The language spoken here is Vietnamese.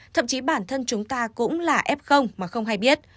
thậm chí bản thân chúng ta cũng là f mà không hay biết